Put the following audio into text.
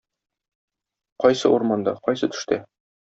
Кайсы урманда, кайсы төштә?